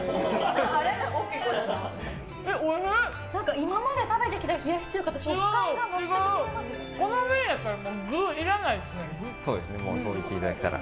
今まで食べてきた冷やし中華と食感が全く違いますね。